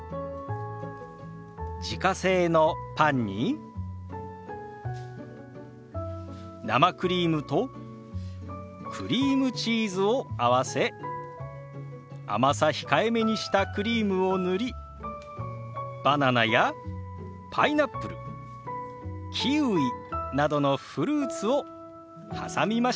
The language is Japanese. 自家製のパンに生クリームとクリームチーズを合わせ甘さ控えめにしたクリームを塗りバナナやパイナップルキウイなどのフルーツを挟みました。